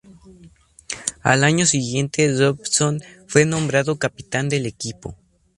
Al año siguiente Robson fue nombrado capitán del equipo.